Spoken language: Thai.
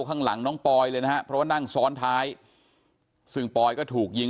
ข้างหลังน้องปอยเลยนะฮะเพราะว่านั่งซ้อนท้ายซึ่งปอยก็ถูกยิง